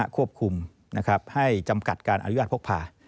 ควบคุมให้จำกัดการอนุญาตพกพา